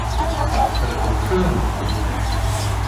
หรือเครื่องขุด